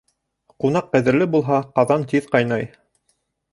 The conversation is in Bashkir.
Ҡунаҡ ҡәҙерле булһа, ҡаҙан тиҙ ҡайнай.